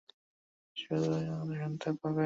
তুমিই শুধু আমার কথা শুনতে পাবে।